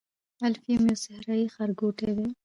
الفیوم یو صحرايي ښارګوټی دی.